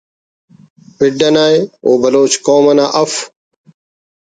پڈ اناءِ او بلوچ قوم انا اف